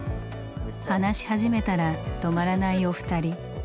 話し始めたら止まらないお二人。